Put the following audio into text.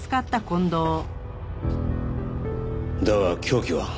だが凶器は？